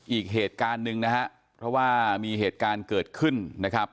อีกเหตุการณ์หนึ่งนะฮะเพราะว่ามีเหตุการณ์เกิดขึ้นนะครับ